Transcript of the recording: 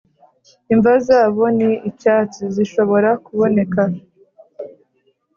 “imva zabo ni icyatsi, zishobora kuboneka.”